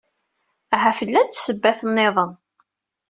Ahat llant ssebbat nniḍen.